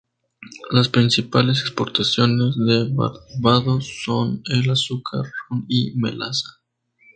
Las principales exportaciones de Barbados son el azúcar, ron y melaza.